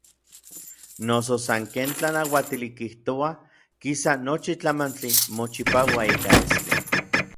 Noso san ken tlanauatili kijtoua, kisa nochi tlamantli mochipaua ika estli.